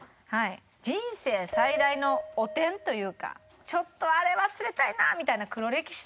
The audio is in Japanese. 人生最大の汚点というかちょっとあれ忘れたいなみたいな。